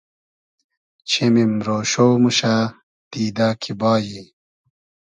چیمیم رۉشۉ موشۂ دیدۂ کی بایی